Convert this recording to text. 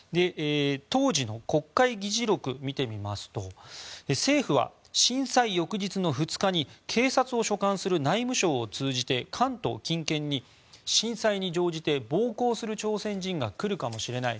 当時の国会議事録を見てみますと政府は震災翌日の２日に警察を所管する内務省を通じて関東近県に震災に乗じて暴行する朝鮮人が来るかもしれない。